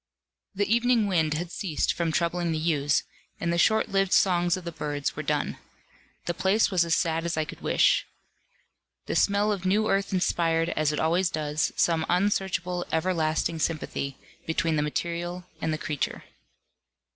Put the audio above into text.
The evening wind had ceased from troubling the yews, and the short lived songs of the birds were done. The place was as sad as I could wish. The smell of new earth inspired, as it always does, some unsearchable everlasting sympathy between the material and the creature.